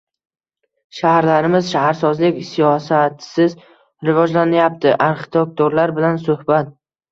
“Shaharlarimiz shaharsozlik siyosatisiz rivojlanyapti” - arxitektorlar bilan suhbat